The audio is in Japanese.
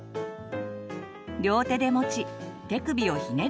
両手で持ち手首をひねる